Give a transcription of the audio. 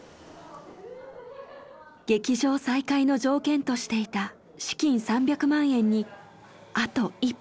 劇場再開の条件としていた資金３００万円にあと一歩。